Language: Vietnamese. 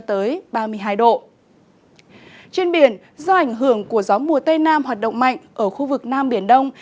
trên biển do ảnh hưởng của gió mùa tây nam hoạt động mạnh ở khu vực nam biển đông